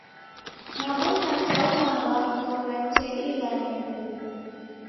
Nabonya kaung'a mbaa kughora tee ighane huw'u!